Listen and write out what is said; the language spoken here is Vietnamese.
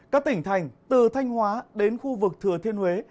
các tỉnh thành từ thanh hóa đến khu vực thừa thiên huế